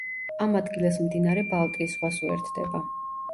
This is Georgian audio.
ამ ადგილას მდინარე ბალტიის ზღვას უერთდება.